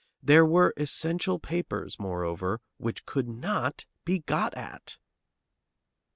There were essential papers, moreover, which could not be got at.